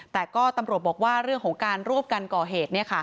แต่ก็ตำรวจบอกว่าเรื่องของการรวบกันก่อเหตุ